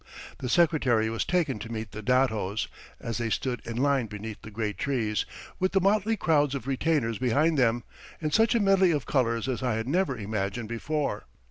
The Secretary was taken to meet the datos, as they stood in line beneath the great trees, with the motley crowds of retainers behind them, in such a medley of colours as I had never imagined before.